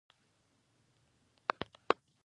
ننګرهار د افغانستان د اقتصادي منابعو ارزښت زیاتوي.